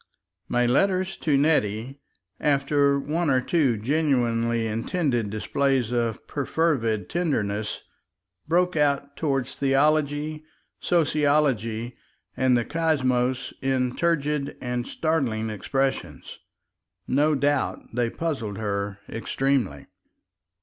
My letters to Nettie, after one or two genuinely intended displays of perfervid tenderness, broke out toward theology, sociology, and the cosmos in turgid and startling expressions. No doubt they puzzled her extremely.